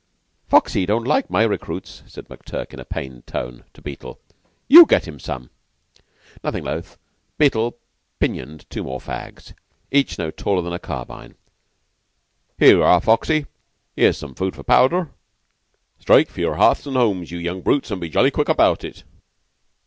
"Foxy don't like my recruits," said McTurk, in a pained tone, to Beetle. "You get him some." Nothing loath, Beetle pinioned two more fags each no taller than a carbine. "Here you are, Foxy. Here's food for powder. Strike for your hearths an' homes, you young brutes an' be jolly quick about it."